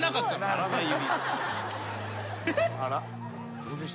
鳴らない指。